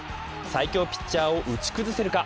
最強ピッチャーを打ち崩せるか。